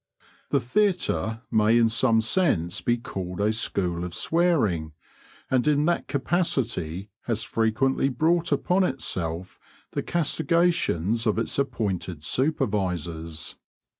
The theatre may in some sense be called a school of swearing, and in that capacity has frequently brought upon itself the castigations of its appointed supervisors.